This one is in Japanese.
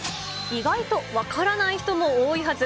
意外と分からない人も多いはず。